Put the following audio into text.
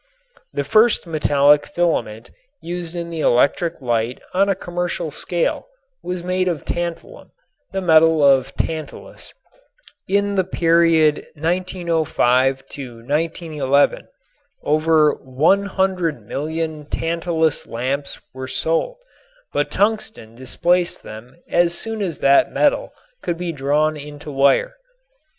The first metallic filament used in the electric light on a commercial scale was made of tantalum, the metal of Tantalus. In the period 1905 1911 over 100,000,000 tantalus lamps were sold, but tungsten displaced them as soon as that metal could be drawn into wire.